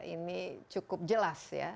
ini cukup jelas ya